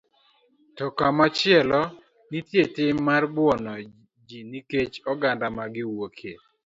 To komachielo, nitie tim mar buono ji nikech oganda ma giwuokie.